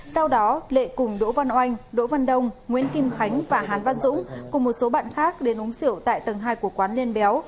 sau đó lệ cùng đỗ văn oanh đỗ văn đông nguyễn kim khánh và hán văn dũng cùng một số bạn khác đến uống rượu tại tầng hai của quán liên béo